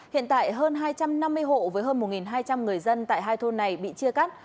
hiện tại hơn hai trăm năm mươi hộ với hơn một hai trăm linh người dân tại hai thôn này bị chia cắt